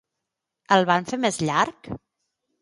El van fer més llarg?